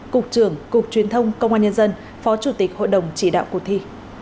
cục trưởng cục truyền thông công an nhân dân phó chủ tịch hội đồng chỉ đạo cuộc thi